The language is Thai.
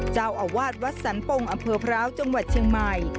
เจ้าอาวาสวัดสันปงอำเภอพร้าวจังหวัดเชียงใหม่